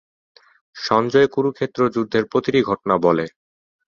সঞ্জয় কুরুক্ষেত্র যুদ্ধের প্রতিটি ঘটনা বলে।